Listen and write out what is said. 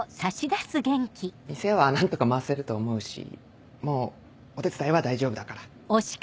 店は何とか回せると思うしもうお手伝いは大丈夫だから。